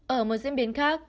ở một diễn biến khác